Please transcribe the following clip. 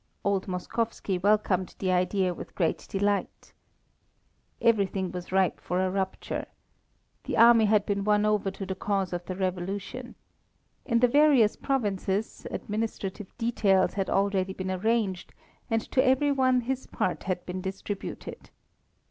Old Moskowski welcomed the idea with great delight. Everything was ripe for a rupture. The army had been won over to the cause of the Revolution. In the various provinces, administrative details had already been arranged, and to every one his part had been distributed.